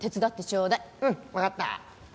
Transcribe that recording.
うんわかった。